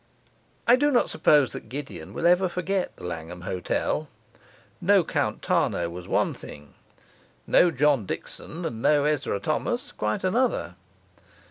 I do not suppose that Gideon will ever forget the Langham Hotel. No Count Tarnow was one thing; no John Dickson and no Ezra Thomas, quite another.